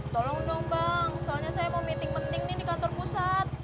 tolong dong bang soalnya saya mau meeting penting nih di kantor pusat